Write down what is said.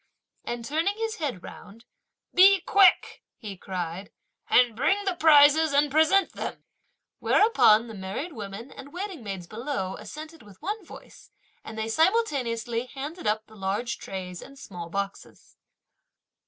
and turning his head round, "Be quick," he cried, "and bring the prizes and present them!" whereupon the married women and waiting maids below assented with one voice, and they simultaneously handed up the large trays and small boxes.